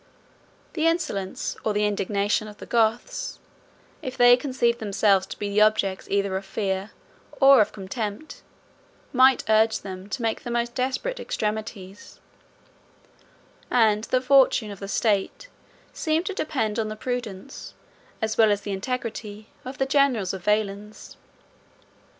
The insolence, or the indignation, of the Goths, if they conceived themselves to be the objects either of fear or of contempt, might urge them to the most desperate extremities; and the fortune of the state seemed to depend on the prudence, as well as the integrity, of the generals of Valens.